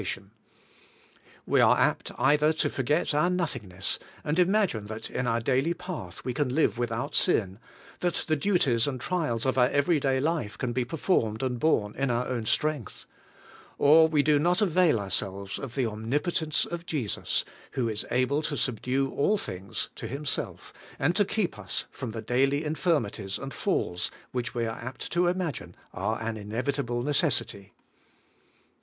206 ABIDE IN CHRIST: We are apt either to forget our nothingness, and imagine that in our daily path we can live without sin, that the duties and trials of our everyday life can be performed and borne in our own strength; or we do not avail ourselves of the omnipotence of Jesus^ who is able to subdue all things to Himself, and to heep us from the daily infirmities and falls ivhich we are apt to imagine an inevitable necessity.